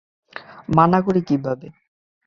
মানা করি কীভাবে।